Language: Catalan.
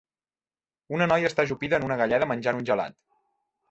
Una noia està ajupida en una galleda menjant un gelat.